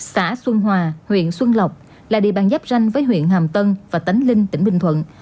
xã xuân hòa huyện xuân lộc là địa bàn giáp ranh với huyện hàm tân và tánh linh tỉnh bình thuận